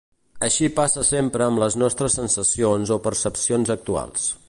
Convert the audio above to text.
Així passa sempre amb les nostres sensacions o percepcions actuals.